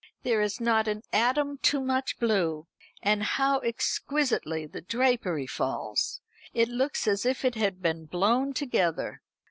There is not an atom too much blue. And how exquisitely the drapery falls! It looks as if it had been blown together.